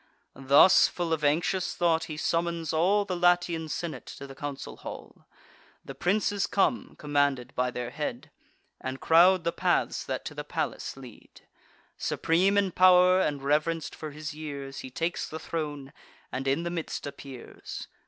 Thus, full of anxious thought, he summons all The Latian senate to the council hall. The princes come, commanded by their head, And crowd the paths that to the palace lead. Supreme in pow'r, and reverenc'd for his years, He takes the throne, and in the midst appears.